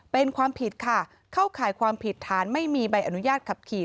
เป็นความผิดค่ะเข้าข่ายความผิดฐานไม่มีใบอนุญาตขับขี่